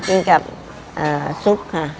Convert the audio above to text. มีกับซุปค่ะ